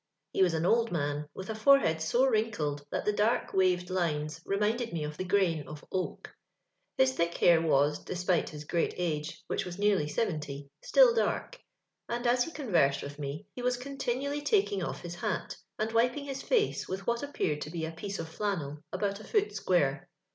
He was an old man, with a forehead so wrinkled that the dork, waved hues remind ed me of the grain of oak. His thick hair was, despite liis great age — which was nearly boveuty — still dark; and as he conversed with me, he was continually taking off his hat, and wiping his face with what api>eared to be a piece of flannel, about a foot bquare.